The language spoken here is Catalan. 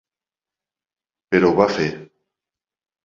Però ho va fer.